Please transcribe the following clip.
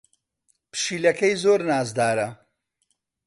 پشیلەکەی زۆر نازدارە.